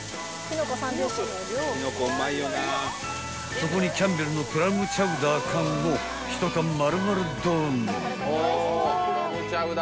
［そこにキャンベルのクラムチャウダー缶を１缶丸々ドーン！］